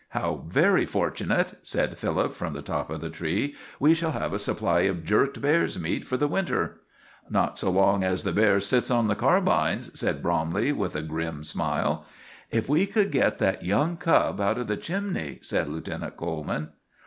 "How very fortunate!" said Philip from the top of the tree. "We shall have a supply of jerked bear's meat for the winter." "Not so long as the bear sits on the carbines," said Bromley, with a grim smile. "If we could get that young cub out of the chimney " said Lieutenant Coleman.